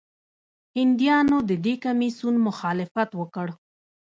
هندیانو د دې کمیسیون مخالفت وکړ.